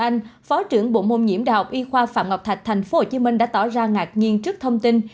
vân anh phó trưởng bộ môn nhiễm đh y khoa phạm ngọc thạch tp hcm đã tỏ ra ngạc nhiên trước thông tin